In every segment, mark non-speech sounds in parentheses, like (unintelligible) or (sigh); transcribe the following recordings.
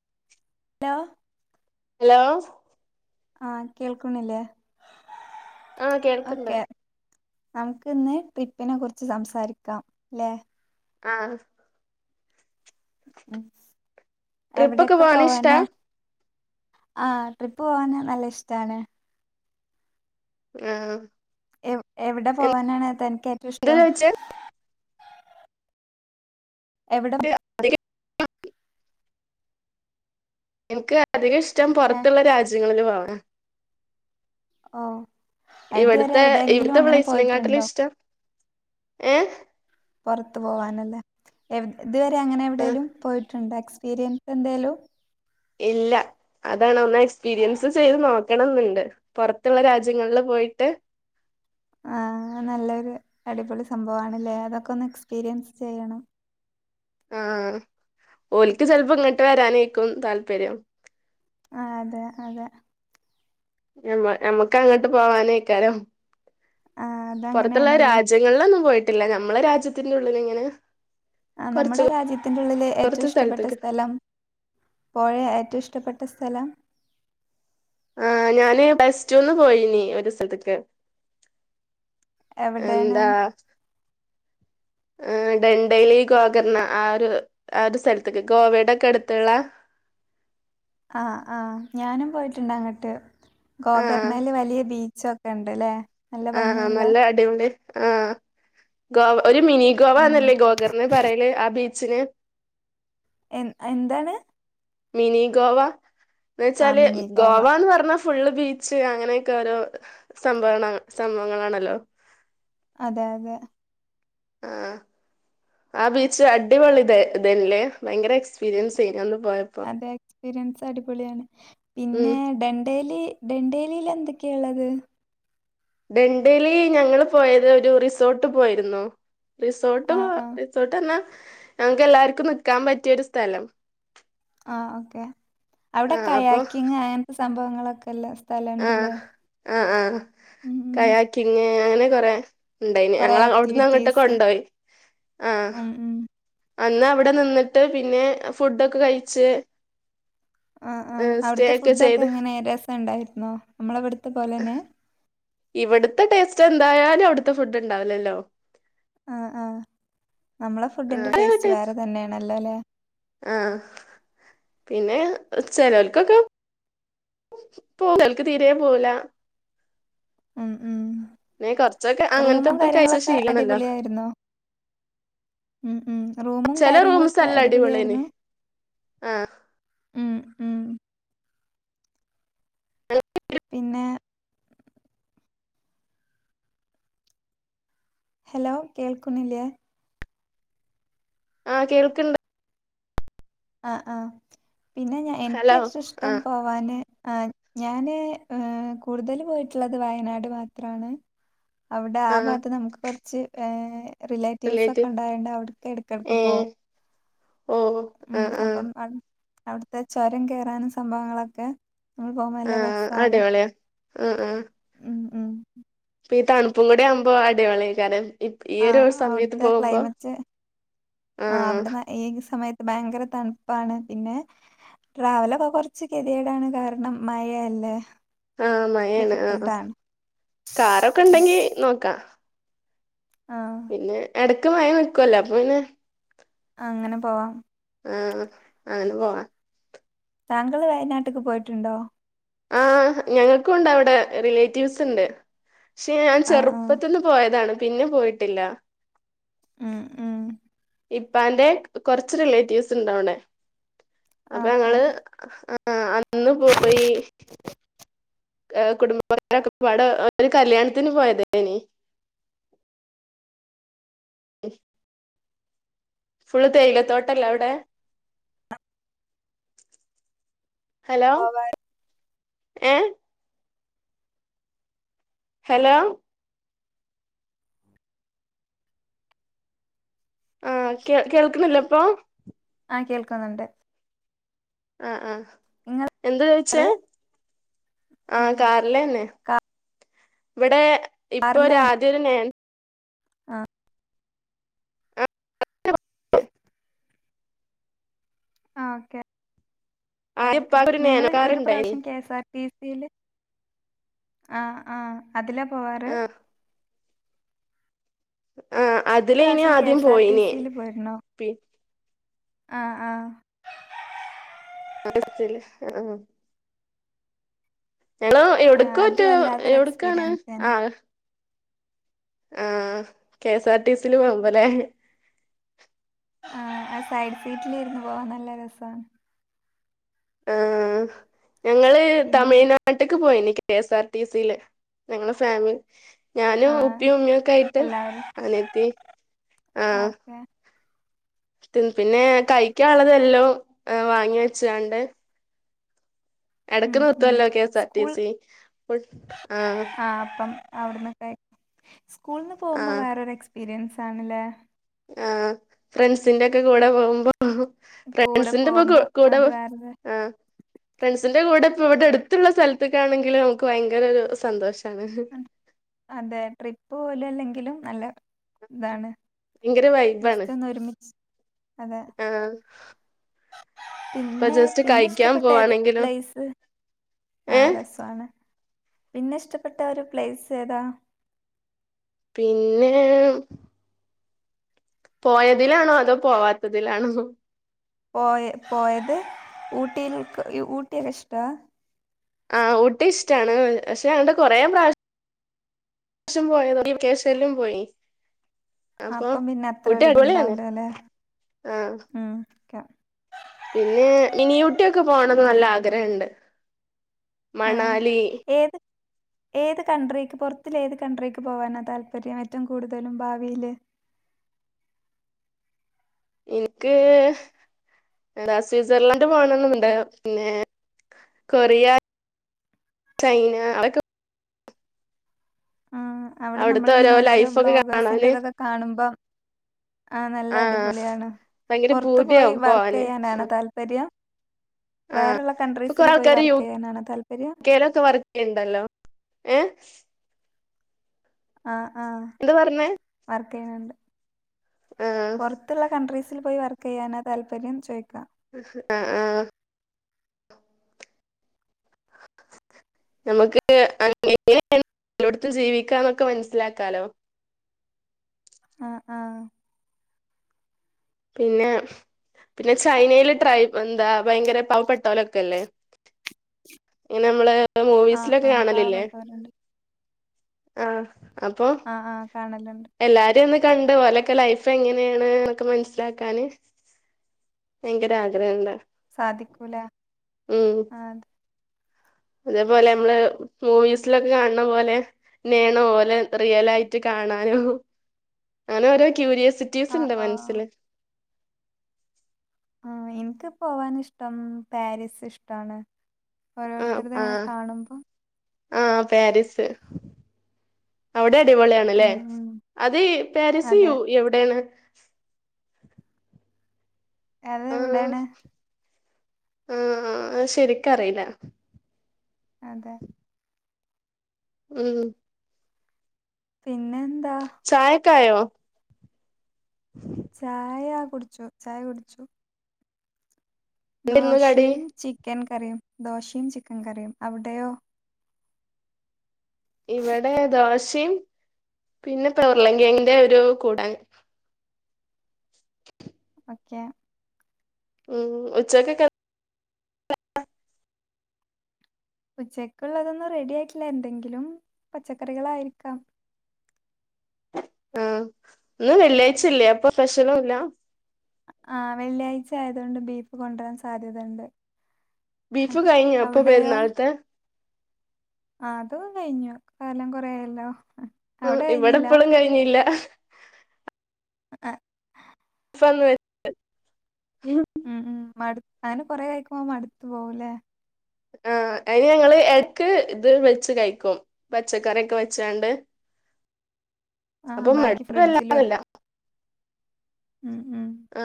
(inaudible) Hello hello ആ കേൾക്കുന്നില്ലേ ആ കേൾക്ക്ണ്ട് നമുക്ക് ഇന്ന് ട്രിപ്പിനെ കുറിച് സംസാരിക്കാം ലെ ആ ട്രിപ്പൊക്കെ എവിടേക്ക് പോവാൻ ഇഷ്ടാ പോകാനാ ആ ട്രിപ്പ് പോകാൻ നല്ല ഇഷ്ട്ടാണ് ആ എവ് എവിടെ പോകാനാണ് തനിക്ക് ഏറ്റവും എന്താ ഇഷ്ട്ടം ചോദിച്ചേ എവിടെ അധികം എനിക്ക് അധികം ഇഷ് ഷ്ട്ടം ഏഹ് പുറത്തുള്ള രാജ്യം രാജ്യങ്ങളിൽ പോകാനാ ഓ ഇതുവരെ എവിടെങ്കിലും ഇവിടുത്തെ അങ്ങനെ പ്ലേസിനെക്കാട്ടിലും പോയിട്ടുണ്ടോ ഇഷ്ടം ഏ പുറത്തു പോവാൻ അല്ലെ എവി ഇതുവരെ അങ്ങനെ ആ എവിടേലും പോയിട്ടുണ്ടോ എക്സ്പീരിയൻസ് എന്തേലും ഇല്ല അതാണ് ഒന്ന് എക്സ്പീരിയൻസ് ചെയ്ത് നോക്കണം എന്ന് ഇണ്ട് പുറത്തുള്ള രാജ്യങ്ങളിൽ പോയിട്ട് ആ നല്ലൊരു അടിപൊളി സംഭവം ആണ്ല്ലേ അതൊക്കെ ഒന്ന് എക്സിപീരിയൻസ് ചെയ്യണം ആ ഓൽക്ക് ചെലപ്പോ ഇങ്ങട്ട് വരാന് ആയിരിക്കും താല്പര്യം ആ അതെ അതെ ഞമ്മ ഞമ്മക്ക് അങ്ങട്ട് പോവാനാ (unintelligible) ആഹ് പൊറത്തുള്ള അതങ്ങനെയാണല്ലോ രാജ്യങ്ങളിൽ ഒന്നും പോയി ഇല്ല ഞമ്മളെ രാജ്യത്തിന്റെ ഉള്ളില് ഇങ്ങനെ ആ നമ്മടെ രാജ്യത്തിന്റെ ഉള്ളില് ഏറ്റവും ഇഷ്ട്ടാപ്പെട്ട സ്ഥലത്ത്ക്ക് സ്ഥലം പോ ഏറ്റോം ഇഷ്ട്ടാ പെട്ട സ്ഥലം ആ ഞാന് പ്ലസ്റ്റൂന്ന് പോയിനി ഒരു സ്ഥലത്തക്ക് എവിടെ ആണ്? ആ ഡെൻഡലി ഗോഗർണ ആ ഒരു ആ ഒരു സ്ഥലത്തെക്ക് ഗോവെടെയൊക്കെ അടുത്തുള്ള ആ ആ ഞാനും പോയിട്ട് ഇണ്ട് അങ്ങട്ട് ഗോകർണേയില് വലിയാ ബീച്ച് ബീച്ച് ഒക്കെ ഇണ്ട് ലേ ആ ആ നല്ല അടിപൊളി ആ ആ ഗോവ ഒരു മിനി ഗോവ ഉം. എന്നല്ലേ ഗോഗാർണയെ പറയണത് ആ ബീച്ചീ- ബീച്ചീനെ എന്താണ് മിനി ഗോവ എന്ന് ആ വച്ചാൽ മിനി ഗോവ എന്ന് പറഞ്ഞാൽ ഫുൾ ബീച്ച് അങ്ങനെ ഓക്കേ ഓരോ സംഭവയാണല്ലോ അതെ അതെ ആ ആ ആ ബീച്ച് അടിപൊളി ഇതായിരുന്നി ലേ ഭയങ്കര എക്സിപിരിൻസ് ആയിരന്നു അന്ന് പോയപ്പോ അതെ എക്സ്പിരിൻസ് അടിപൊളി ആയിരുന്നു ഉം പിന്നെ ടെൻ ലെൻടെനിൽ ലെൻഡനിൽ എന്തൊക്കെയാണ് ഉള്ളത് ലണ്ടനിൽ ഞങ്ങൾ പോയത് റിസോർട്ടിൽ പോയിരിന്നു റിസോർട് ആ ആ റിസോറ്റ് തന്നെ ഞങ്ങക്ക് എല്ലാർക്കും നിക്കാൻ പറ്റിയ ഒരു സ്ഥലം ആ ഓക്കേ അവിടെ ആഹ് കഴിക്കിങ് (unintelligible) അങ്ങനെത്തെ സംഭവങ്ങൾ ഒക്കെ ഉള്ളെ ആ ആ ആ ആ ഉം, ഉം. കായാക്കിങ്ങ് അങ്ങനെക്കുറെ ഉണ്ടായിന് കുറേ ഞാങ്ങളാ അവിടുന്ന് അങ്ങോട്ട് ആക്ടിവിറ്റീസ് കൊണ്ടോയി ആ ഉം ഉം അന്ന് അവിടെ നിന്നിട്ട്പിന്നെ ഫുഡ്‌ ഒക്കെ കഴിച്ച് ആ ആ സ്റ്റേ അവിടുത്തെ ഫുഡ്‌ ഒക്കെ ചെയ്ത് എങ്ങനെയാ രസണ്ടായിരുന്നോ നമ്മള് ഇവിടുത്തെ പോലെ തന്നെയാ ഇവിടുത്തെ ടേസ്റ്റ് എന്താലും അവിടുത്തെ ഫുഡിന് ഉണ്ടാവില്ലല്ലോ ആ ആ നമ്മൾടെ ഫുഡിന്റെ ടേസ്റ്റ് വേറെതന്നെയാണല്ലല്ലെ ആ പിന്നെ ചിലഓൽക്ക് ഒക്കെ എനിക്ക് തീരെ പോകില്ല ഉം ഉം കുറചോക്കെ അങ്ങനത്തെ റൂമും ഒട്ടും കഴിച്ച് കാര്യങ്ങളൊക്കെ ശീലഒന്നുമില്ല അടിപൊളിയായിരുന്നോ ഉം ഉം റൂമും ചെല റൂംസ് കാര്യങ്ങളൊക്കെ എല്ലാ അടിപൊളിയന് അടിപൊളിയായിരുന്നു ആ ഉം ഉം പിന്നെ ഹലോ കേൾക്കുന്നില്ലേ - ആ കേൾക്കിണ്ട് ആ ആ പിന്നെ ഞാ ഹലോ എനിക്ക്ഏറ്റവും ഇഷ്ടം ആഹ് പോവന് ആഹ് ഞാനെ കൂടുതല് പോയിട്ടുള്ളത് വയനാട് മാത്രാണ് അവിടെ ആ ആഹ് ഭാത്ത് നമക്ക് കൊർ ച്ച് ഏഹ് റിലേറ്റ് റിലേറ്റിവ്സൊക്കെ ഉണ്ടായൊണ്ട് അവട്ക്ക് എട്ക്കട്ക്ക് ഏഹ് പോവും ഓ ഉം ആഹ് ആഹ് അപ്പം അൻ അവിട്ത്തെ ചൊരം കേറാനും സംഭാവങ്ങളൊക്കെ നമ്മള് പോകുമ്പോ നല്ല ആഹ് രസാണ് അടിപൊളിയ ഉം ഉം പ്പീ തണുപ്പുംകുടെ ആവുമ്പൊ അടിപൊളിയയ്കാരം ആഹ് അവിട്ത്തെ ക്ലൈമറ്റ് ആഹ് അവടെന്ന ഏത് സമയത്ത് ഭയ്ങ്കരതൺപ്പാണ് പിന്നെ ട്രാവലൊക്കെ കൊർച്ച് കെത്യേടാണ് കാരണം മഴയല്ലേ ആഹ് മഴാണ് ആഹ് ഡിഫിക്കൽട്ടാണ് കാറൊക്കെ ഇണ്ടങ്കി നോക്ക ആഹ് പിന്നെ എട ക്ക് മഴനിക്കൊല്ലോ അപ്പ പിന്നെ അങ്ങനെ പോവാം ആഹ് അങ്ങനെ പോകാം താങ്കള് വയനാട്ട്ക്ക് പോയിട്ടുണ്ടോ ആ ഞങ്ങൾക്കുണ്ടവിടെ റിലേറ്റീവ്സ് ഉണ്ട് പക്ഷേ ഞാൻ ആഹ് ആഹ് ചെറുപ്പത്തിൽ പോയതാണ് പിന്നെ പോയിട്ടില്ല ഉം ഉം ഉപ്പാൻ്റെ കുറച്ച് റിലേറ്റീവ്സ് ഉണ്ട് അവടെ അപ്പൊ ഓക്കെ ഞങൾ ഉം ആ- അന്ന് പോയി (unintelligible) കുടുംബക്കാരൊക്കെ ഒരു കല്യാണത്തിന് പോയതാണ് (unintelligible) ഫുൾ തേയിലത്തോട്ടമല്ലേ അവടെ ഹലോ ഏഹ ഹലോ ആ കേൾക്കുന്നില്ലേ ഇപ്പൊ ആ കേൾക്കുന്നുണ്ട് ആ ആ നിങ്ങൾ എന്തേ ചോദിച്ചേ കാറ് ആ കാറില്ന്നെ ഇവിടേ ഇപ്പൊ രാധ തന്നെ ആ ആ ആ ഓകെ ആ ആദ്യം ഇപ്പാക്ക് ഒരു ഞങൾ നാനോ ഒരു കാറുണ്ടായിനി പ്രാവശ്യം കെഎസ്ആർടിസി യില് ആ ആ അതിലാ പോകാറ് ആ ആ ഒരു അതിലേനി പ്രാവശ്യം കെ ആദ്യം എസ് ആർ ടി പോയിനിയെ സിയില് പോയിരുന്നു ആ ആ (unintelligible) ഞങ്ങളു ആ എവിടേക്കോ അത് മറ്റോ വല്ലാത്തൊരു എവിടെ ആണ് എക്സ്പീരിയൻസ് ആ കെഎസ്ആർടിസി യില് പോവുമ്പോൾ ആ സൈഡ് സീറ്റിൽ ഇരുന്ന് പോവാൻ നല്ല രസമാണ് ആ ഞങ്ങള് പിന്നെ തമിഴ്നാട്ട്ക് പോയി കെഎസ്ആർടിസിയില് ഞങ്ങള് ഫാമിലി ഞാനും ആ ഉപ്പിം, ഉമ്മിം ഒക്കെ ആയിട്ട് എല്ലാവരും അനിയത്തിയും ആ- പിന്നെ കഴിക്കാനുള്ളതെല്ലാം വാങ്ങിവെച്ച് എടക്ക് ഉം ഉം നിർത്തൊല്ലോ K S R T school C. Full ആ അവിടന്നൊക്കെ സ്കൂൾന്ന് പോവുമ്പോ ആഹ് വേറൊരു എക്സ് - സ്പീരിയൻസാണ് ലെ (unintelligible) ആ ഫ്രണ്ട്സിന്റെ ഒക്കെ കൂടെ പോവുമ്പോ- കൂടെ ഫ്രണ്ട്സിന്റെ ഒപ്പം പോകുമ്പോൾ കൂടെ അത് വേറൊരു ആ ഫ്രണ്ട്‌സ്ന്റെ കൂടെ- ഇവിടെ എടുത്തുള്ള സ്ഥലത്തിക്കാണെങ്കിൽ നമുക്ക് ഭയങ്കര ഒരു സന്തോഷ- ഹും അതെ ട്രിപ്പ്‌ പോവല് അല്ലെങ്കിലും നല്ല ഉം. ഇതാണ് ഭയങ്കര വൈബ് ആണ് ജസ്റ്റ് ഒന്ന് ഒരുമിച്ച് അതെ ആ പിന്നെ പിന്നെ കഴിക്കാൻ ഇഷ്ട്ടപ്പെട്ട ഏതാ പോവാണെങ്കിലും പ്ലെയ്സ് ഏഹ് പിന്നെ ഇഷ്ട്ടപ്പെട്ട ഒരു പ്ലൈസ് ഏതാ പിന്നെ പോയതിലാണോ അതോ പോവാത്തതിലാണോ പോയ പോയത് ഊട്ടിയിൽ ഊട്ടിയൊക്കെ ഇഷ്ട്ടാ ആ ഊട്ടി ഇഷ്ട്ടാണ്പക്ഷെ അങ്ങട്ട് കൊറേ പ്രാവ- ശ്യം പോയി വെക്കേഷനിലും പോയി അപ്പൊ അപ്പം പിന്നെ ഊട്ടി അടിപൊളിയാണ് അത്രയൊരുദിണ്ടാവില്ല അല്ലേ ആഹ് ഉം ക്ക പിന്നെ മിനിഊട്ടി ഒക്കെ പോണന്ന് നല്ല ആഗ്രഹണ്ട് ആ മണാലി ഏത് ഏത് കൺട്രിക്ക് പുറത്തുള്ള ഏത് കൺട്രിക്ക് പോവാന താല്പര്യം ഏറ്റവും കൂടുതലും ഭാവിയില് ഇൻക് റസ് സീസർലാൻഡ് പോന്ന്ണ്ട് പിന്നെ കൊറിയ ചൈന അതൊ ആ അവിടെ അവിടുത്തെ ഓരോ നമ്മളിങ്ങനെ ഓരോരോ ലൈഫൊക്കെ വ്ലോഗർസ് കാണാന് ന്റേതൊക്ക കാണുമ്പം ആ നല്ല ആഹ് അടിപൊളിയാണ് ഭയങ്കര പുറത്ത് പോയി പൂതിയാവും വർക്ക്‌ ചെയ്യാനാണോ താല്പര്യം. ആ. വേറെള്ള ഇപ്പോ കൺട്രീസിൽ കുറെ പോയി ആൾക്കാര് യു വർക്ക് ചെയ്യാനാണോ താല്പര്യം? കെ ലൊക്കെ വർക്ക്‌ ചെയ്യ്ണ്ടല്ലോ ആ എന്തു പറഞ്ഞു പിന്നെന്താ പുറത്തുള്ള കൺട്രിസിൽ പോയി വർ ക്കയ്യാനാ താല്പര്യം ചോയ്ക്ക ഹ്‌ ഹ്‌ അ ആ ങ്ങമ്മക്ക് എങ്ങനെയൊക്കെ ആണ് എല്ലോടത്തും ജീവിക്കാനൊക്കെ മനസ്സിലാക്കാലോ ആ ആ പിന്നെ പിന്നെ ചൈനയിൽ ട്രൈ എന്താ ഭയങ്കര പാവപ്പെട്ടോലൊക്കെല്ലേ ഇങ്ങനെ നമ്മള് ആഹ് മൂവീസിലൊക്കെ ആഹ് കാണലില്ലേ പാവപ്പെട്ടവരുണ്ട്. ആഹ്‌ അപ്പോ ആഹ് ആഹ് കാണലുണ്ട്. എല്ലാരിം ഒന്ന് കണ്ടു ഓലൊക്കെ ലൈഫ് എങ്ങനെയാണ്‌ എന്നൊക്കെ മനസ്സി ലാക്കാന് ഭയങ്കര ആഗ്രഹമുണ്ട് സാധിക്കൂല ആ ഇതേ പോലെ നമ്മള് മൂവീസിലൊക്കെ കാണുന്ന പോലെ ഇങ്ങനെയാണോ ഓല് റിയൽ ആയിട്ട് കാണാനും അങ്ങനെ ഓരോ ക്യൂരിയോസിറ്റീ ആഹ് സുണ്ട് ആഹ് മനസ്സില് ആ എനിക്കിപ്പം അതാണ് ഇഷ്ടം കാര്യസ്ഥൻ ഇഷ്ടാണ് ഓരോരുത്തര് ഇതിങ്ങനെ കാണുമ്പം ആ പാരീസ് അവിടെ അടിപൊളിയാണ് അല്ലേ ഉം ഉം അത് ഈ പാരീസ് അതെ യു എവിടെയാണ് അതെവിടാണ് ആ അത് ശരിക്ക് അറിയില്ല അതെ ഉം പിന്നെന്താ ക്കെ ആയോ ചായ കുടിച്ചു ചായ കുടിച്ചു എന്തായിരുന്നു കടി ദോശയും ചിക്കൻ ക കടി ദോശയും ചിക്കൻ കറിയും അവിടെയോ? ഇവിടെ ദോശയും പിന്നെ ഉർള്ൻ കെഴങ്ങിന്റെ ഒരു കൂട്ടാനും- യാ- ഈ ഉച്ചയ്ക്കത് ഉച്ചയ്ക്കുള്ളതൊന്ന് റെഡിയായിട്ടില്ല എന്തെങ്കിലും പച്ചക്കറികൾ ആയിരിക്കാം- ആ ഇന്ന് വെള്ളിയാഴ്ചയല്ലേ അപ്പം സ്പെഷ്ൽ ഇല്ലാ - ആ വെള്ളിയാഴ്ച ആയതുകൊണ്ട് ബീഫ് കൊണ്ടരാൻ സാധ്യതയുണ്ട്- ബീഫ് കഴിഞ്ഞോ അപ്പം പെരുന്നാളത്തെ- അത് കഴിഞ്ഞു കാലം കൊറെ ആയല്ലോ- ഇവിടെ ഇപ്പോളും കഴിഞ്ഞില്ല- അ (unintelligible) (unintelligible) കാലം കൊറെ ആയിക്കുമ്പോ മടുത്തു പോവില്ലേ? ആ അയിന് ഞങ്ങള് എടയ്ക്ക് ഇത് ലും വെച്ച് കയിക്കും പച്ചക്കറിയക്കെ വെച്ചാണ്ട്- ആ അപ്പം ബാക്കി മടുപ്പ് ഫ്രിഡ്ജിലും ഒക്കെ. വരാറില്ല- ഉം, ഉം. ആ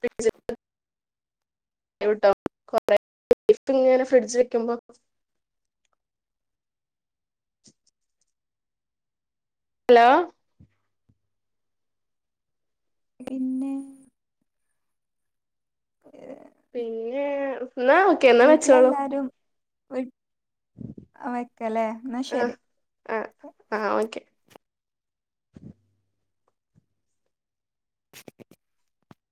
ഫ്രിഡ്ജ്- (unintelligible) എട്ത്തിങ്ങിനെ ഫ്രിഡ്ജ് വയ്ക്കുമ്പോ- ഹലോ പിന്നെ (unintelligible) (unintelligible) എന്നാ ഒക്കെ അല്ലേ വച്ചോളു വീട്ടിലെല്ലാരും (unintelligible) ആഹ് ആഹ് ആഹ് ഓക്കെ (unintelligible) (unintelligible) (unintelligible)